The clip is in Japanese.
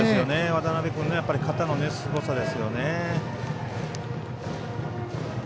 渡辺君の肩のすごさですよね。